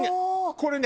これね